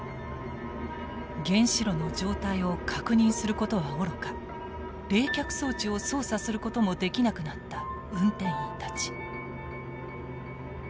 原子炉の状態を確認することはおろか冷却装置を操作することもできなくなった運転員たち。